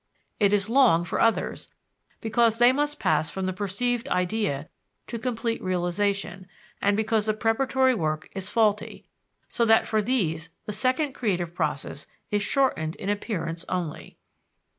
It is long for others, because they must pass from the perceived idea to complete realization, and because the preparatory work is faulty; so that for these the second creative process is shortened in appearance only.